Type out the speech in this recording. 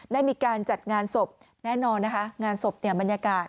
ได้มีการจัดงานศพแน่นอนนะคะงานศพเนี่ยบรรยากาศ